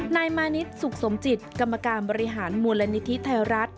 นายมานิดสุขสมจิตกรรมการบริหารมูลนิธิไทยรัฐ